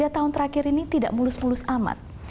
tiga tahun terakhir ini tidak mulus mulus amat